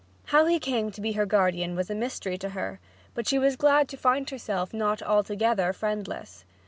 How he came to be her guardian was a mystery to her, but she was glad to find herself not altogether friendless.